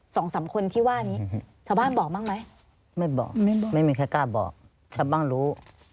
สองสามคนที่ว่านี้ชาวบ้านบอกบ้างไหมไม่บอกไม่บอกไม่มีใครกล้าบอกชาวบ้านรู้